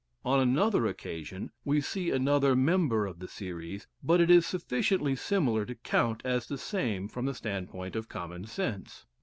On another occasion we see another member of the series, but it is sufficiently similar to count as the same from the standpoint of common sense.